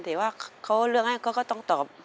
แต่ว่าเขาเลือกให้ก็ต้องตอบ